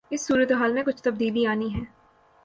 اس صورتحال میں کچھ تبدیلی آنی ہے۔